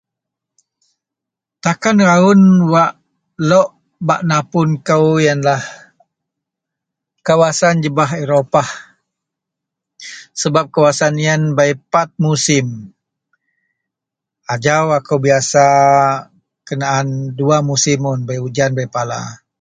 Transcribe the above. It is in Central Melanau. Takan rawon wak lok bak napun kou iyen lah kawasan jebah europah sebab kawasan iyen bei pat musim ajau ako biyasa kenaan dua musim un bei ujan bei pala.